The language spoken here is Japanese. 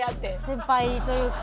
先輩というか。